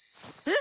え？